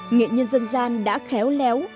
nghệ nhân dân gian đã khéo léo